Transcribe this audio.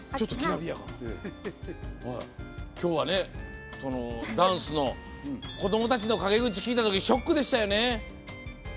今日は、ダンスの子どもたちの陰口を聞いた時ショックでしたよね。